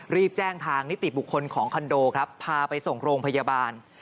รีบแจ้งทางนิติบุคคลของคอนโดครับพาไปส่งโรงพยาบาล